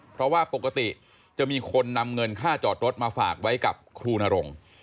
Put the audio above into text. เพราะว่าปกติจะมีคนนำเงินค่าจอดรถมาฝากไว้กับครูนรงค์